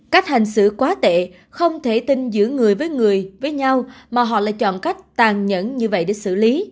cách hành xử quá tệ không thể tin giữa người với người với nhau mà họ lại chọn cách tàn nhẫn như vậy để xử lý